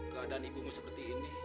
keadaan ibumu seperti ini